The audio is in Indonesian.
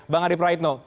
bang adi praditno